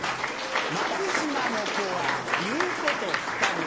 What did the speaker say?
松島の子は言うこと聞かぬ。